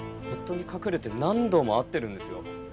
夫に隠れて何度も会ってるんですよ？